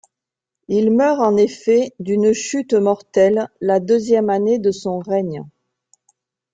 Il meurt en effet d'une chute mortelle la deuxième année de son règne.